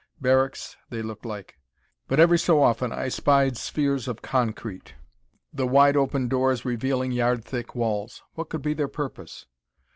Barracks, they looked like. But, every so often I spied spheres of concrete, the wide open doors revealing yard thick walls. What could be their purpose?